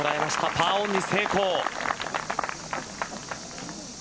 パーオンに成功。